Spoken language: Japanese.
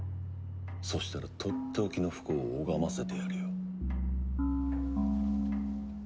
そしたらとっておきの不幸を拝ませてやるよ。